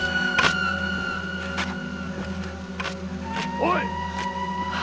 おい！